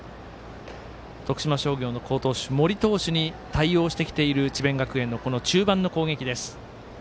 徳島商業の好投手、森投手に対応してきている智弁学園の中盤の攻撃です。